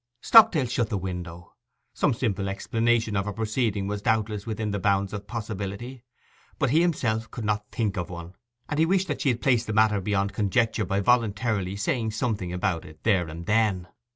Stockdale shut the window. Some simple explanation of her proceeding was doubtless within the bounds of possibility; but he himself could not think of one; and he wished that she had placed the matter beyond conjecture by voluntarily saying something about it there and then.